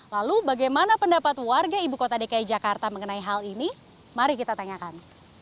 lalu bagaimana pendapat warga ibu kota dki jakarta mengenai hal ini mari kita tanyakan